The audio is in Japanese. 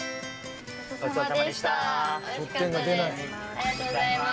ありがとうございます。